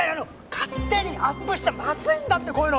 勝手にアップしちゃまずいんだってこういうの！